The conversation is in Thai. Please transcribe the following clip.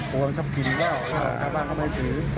พ่อมาดูด้วย